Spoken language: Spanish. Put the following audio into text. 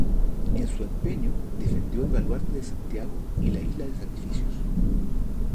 En su empeño defendió el Baluarte de Santiago y la Isla de Sacrificios.